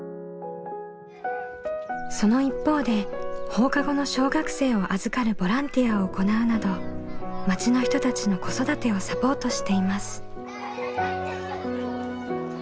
その一方で放課後の小学生を預かるボランティアを行うなど町の人たちの子育てをサポートしています。